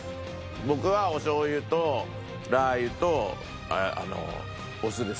僕はおしょう油とラー油とお酢です。